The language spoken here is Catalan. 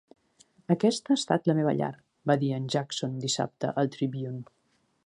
"Aquesta ha estat la meva llar", va dir en Jackson dissabte al "Tribune".